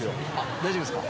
大丈夫ですか？